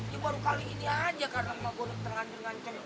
ya baru kali ini aja karena emak gue tengah tengah nganceng